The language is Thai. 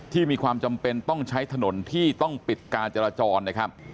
มีความจำเป็นต้องใช้ถนนที่ต้องปิดการจราจรนะครับ